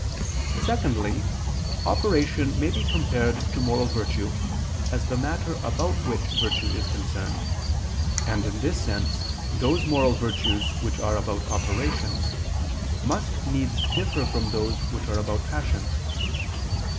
Secondly, operation may be compared to moral virtue as the matter about which virtue is concerned: and in this sense those moral virtues which are about operations must needs differ from those which are about passions.